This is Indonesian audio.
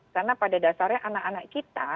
karena pada dasarnya anak anak kita